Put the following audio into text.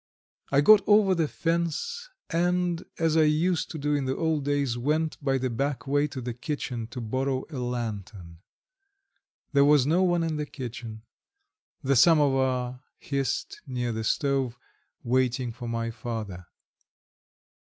I got over the fence and, as I used to do in the old days, went by the back way to the kitchen to borrow a lantern. There was no one in the kitchen. The samovar hissed near the stove, waiting for my father.